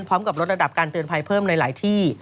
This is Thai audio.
พร้อมกับลดระดับการเตือนภัยเพิ่มในหลายที่